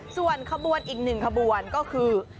ส่วนขบวนอีกหนึ่งขบวนก็คือ